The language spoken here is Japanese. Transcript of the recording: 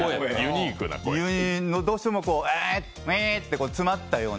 どうしてもウエーッて詰まったような。